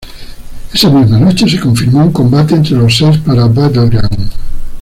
Esa misma noche, se confirmó un combate entre los seis para Battleground.